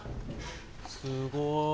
すごい。